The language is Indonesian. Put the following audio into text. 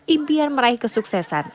impian meraih kesuksesan